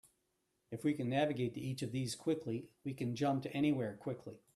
If we can navigate to each of these quickly, we can jump to anywhere quickly.